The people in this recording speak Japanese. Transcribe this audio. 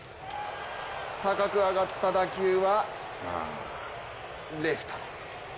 高く上がった打球はレフト。